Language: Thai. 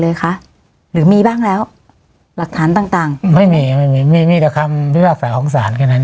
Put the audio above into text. เลยคะหรือมีบ้างแล้วหลักฐานต่างต่างอืมไม่มีไม่มีมีแต่คำพิพากษาของศาลแค่นั้น